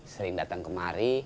sering datang kemari